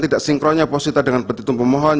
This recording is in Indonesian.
tidak sinkronnya positif dengan petitum pemohon